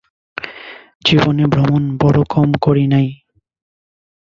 জীবনে ভ্রমণ বড় কম করি নাই।